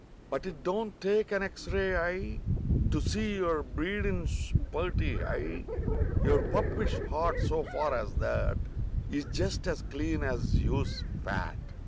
But it don't take an X ray eye To see your breedin's purty high— lour puppish heart, so far as that, Is just as clean as if you's fat.